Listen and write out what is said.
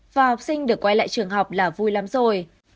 và học sinh được quay lại trường học là vui lắm rồi